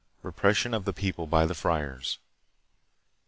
Repression of the People by the Friars.